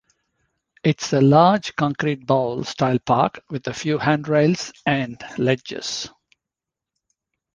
It is a large concrete bowl style park, with a few handrails and ledges.